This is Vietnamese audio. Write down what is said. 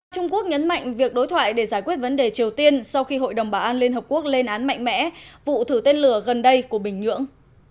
trung quốc nhấn mạnh việc đối thoại để giải quyết vấn đề triều tiên sau khi hội đồng bảo an liên hợp quốc lên án mạnh mẽ vụ thử tên lửa gần đây của bình nhưỡng